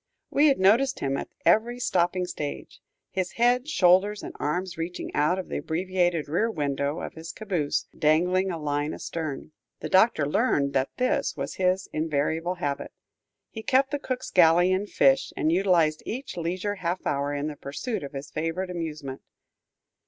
We had noticed him at every stopping stage, his head, shoulders, and arms reaching out of the abbreviated rear window of his caboose, dangling a line astern. The Doctor learned that this was his invariable habit. He kept the cook's galley in fish, and utilized each leisure half hour in the pursuit of his favorite amusement.